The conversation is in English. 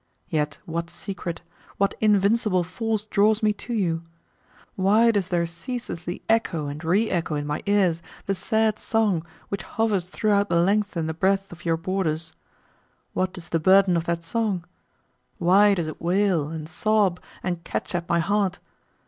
Yet what secret, what invincible force draws me to you? Why does there ceaselessly echo and re echo in my ears the sad song which hovers throughout the length and the breadth of your borders? What is the burden of that song? Why does it wail and sob and catch at my heart?